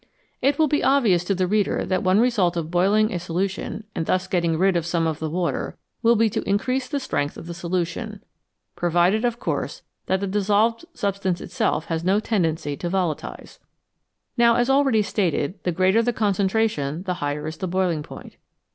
It will be obvious to the reader that one result of boiling a solution, and thus getting rid of some of the water, will be to increase the strength of the solution, provided, of course, that the dissolved substance itself has no tendency to volatilise. Now, as already stated, the greater the concentration, the higher is the boiling point.